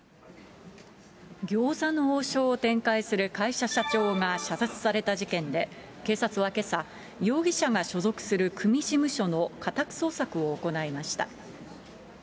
餃子の王将を展開する会社社長が射殺された事件で、警察はけさ、容疑者が所属する組事務所の家宅捜索を行いました。